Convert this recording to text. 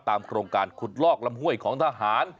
โครงการขุดลอกลำห้วยของทหาร